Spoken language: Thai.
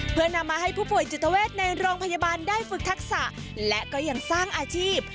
เพื่อนำมาให้ผู้ป่วยจิตเวทในโรงพยาบาลได้ฝึกทักษะและก็ยังสร้างอาชีพ